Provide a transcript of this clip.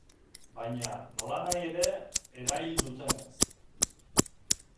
Baina, nolanahi ere, erail dutenez.